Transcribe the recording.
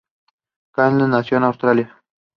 Athena intervenes and convinces him to let them go.